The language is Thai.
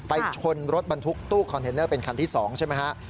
ชนรถบรรทุกตู้คอนเทนเนอร์เป็นคันที่๒ใช่ไหมฮะ